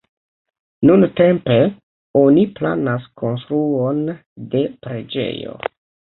Nuntempe oni planas konstruon de preĝejo.